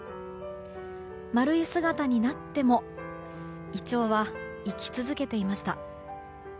丸い姿になってもイチョウは生き続けていました。